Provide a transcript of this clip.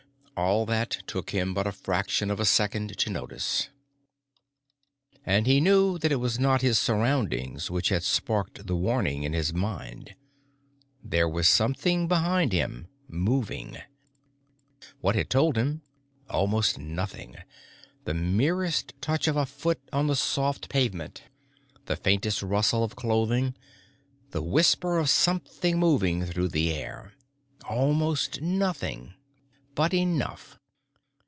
All that took him but a fraction of a second to notice, and he knew that it was not his surroundings which had sparked the warning in his mind. There was something behind him moving. What had told him? Almost nothing. The merest touch of a foot on the soft pavement the faintest rustle of clothing the whisper of something moving through the air. Almost nothing but enough.